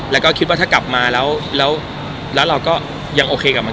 แล้วก็คิดว่าถ้ากลับมาแล้วเราก็ยังโอเคกับมัน